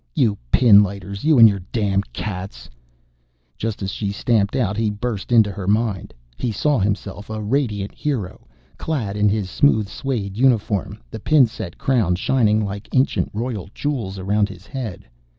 "You pinlighters! You and your damn cats!" Just as she stamped out, he burst into her mind. He saw himself a radiant hero, clad in his smooth suede uniform, the pin set crown shining like ancient royal jewels around his head.